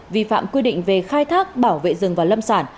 vi phạm quy định về khai thác bảo vệ rừng và lâm sản